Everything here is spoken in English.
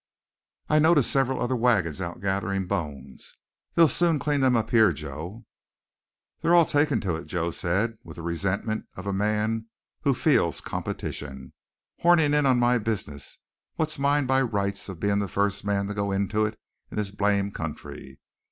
"I noticed several other wagons out gathering bones. They'll soon clean them up here, Joe." "They're all takin' to it," Joe said, with the resentment of a man who feels competition, "hornin' in on my business, what's mine by rights of bein' the first man to go into it in this blame country.